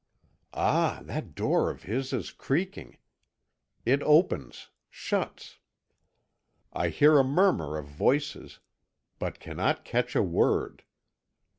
"Ah, that door of his is creaking. It opens shuts. I hear a murmur of voices, but cannot catch a word.